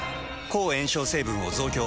抗炎症成分を増強。